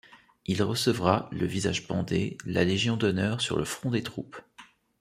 Il recevra, le visage bandé, la Légion d'honneur sur le front des troupes.